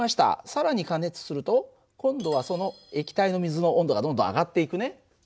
更に加熱すると今度はその液体の水の温度がどんどん上がっていくね。